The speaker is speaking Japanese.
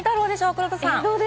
黒田さん。